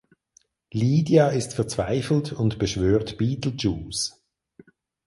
Lydia ist verzweifelt und beschwört Beetlejuice.